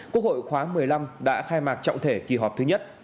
quốc hội khóa một mươi năm đã khai mạc trọng thể kỳ họp thứ nhất